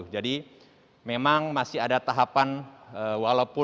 jadi memang masih ada tahapan walaupun